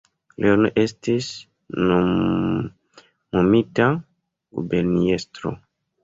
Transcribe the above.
Leon estis nomumita guberniestro.